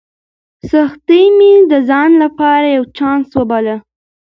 سختۍ مې د ځان لپاره یو چانس وباله.